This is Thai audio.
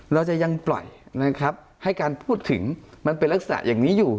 เราจะยังปล่อยนะครับให้การพูดถึงมันเป็นลักษณะอย่างนี้อยู่